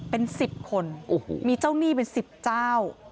เป็นสิบคนมีเจ้าหนี้เป็นสิบเจ้า